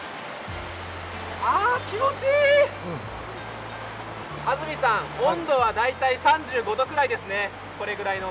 あーっ、気持ちいいお安住さん、温度は大体３５度くらいですね。